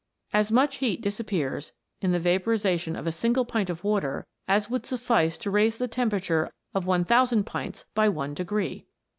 As much heat disappears in the vaporiza tion of a single pint of water as would suffice to raise the temperature of 1000 pints by one degree